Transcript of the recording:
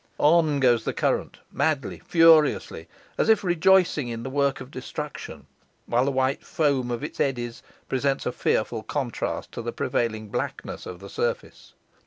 On goes the current, madly, furiously, as if rejoicing in the work of destruction, while the white foam of its eddies presents a fearful contrast to the prevailing blackness of the surface.